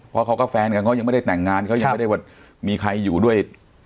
เพราะเขาก็แฟนกันเขายังไม่ได้แต่งงานเขายังไม่ได้ว่ามีใครอยู่ด้วย